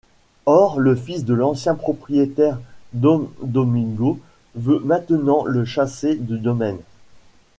Or, le fils de l'ancien propriétaire, Don Domingo, veut maintenant le chasser du domaine.